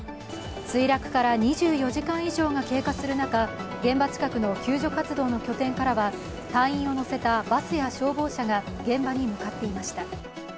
墜落から２４時間以上が経過する中、現場近くの救助活動の拠点からは隊員を乗せたバスや消防車が現場に向かっていました。